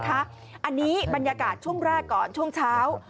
อันนี้บรรยากาศช่วงแรกก่อนช่วงเช้า